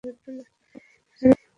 এখানে কিছু একটা ঠিক নেই।